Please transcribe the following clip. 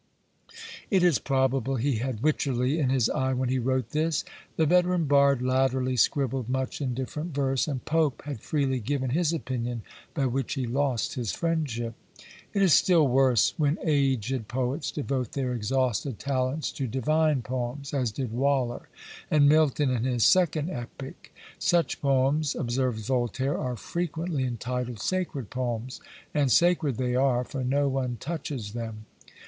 It is probable he had Wycherley in his eye when he wrote this. The veteran bard latterly scribbled much indifferent verse; and Pope had freely given his opinion, by which he lost his friendship! It is still worse when aged poets devote their exhausted talents to divine poems, as did Waller; and Milton in his second epic. Such poems, observes Voltaire, are frequently entitled "sacred poems;" and sacred they are, for no one touches them.